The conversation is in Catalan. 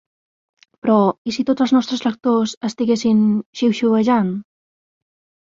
Però, i si tots els nostres lectors estiguessin xiuxiuejant?